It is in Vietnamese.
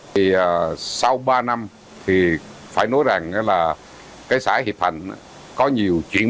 thì sau ba năm thì phải nói rằng là cái xã hiệp thạnh có nhiều chuyển